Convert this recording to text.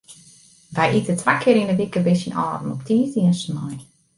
Wy ite twa kear yn de wike by syn âlden, op tiisdei en snein.